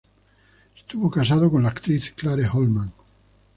Estuvo casado con la actriz Clare Holman.